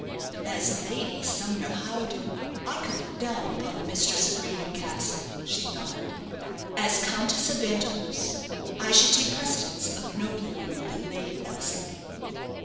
"As Lady Sumner Howden, I could look down upon the mistress of Raynham Castle," she thought. "As Countess of Vandeluce, I should take precedence of nobler women than Lady Eversleigh."